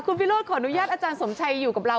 คุณวิโรธขออนุญาตอาจารย์สมชัยอยู่กับเรา